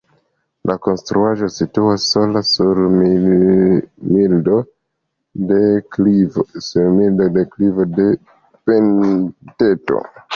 La konstruaĵo situas sola sur milda deklivo de monteto.